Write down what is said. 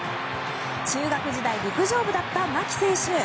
中学時代、陸上部だった槇選手。